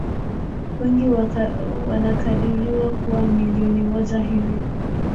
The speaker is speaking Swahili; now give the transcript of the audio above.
Wengi wanakadiriwa kuwa milioni moja hivi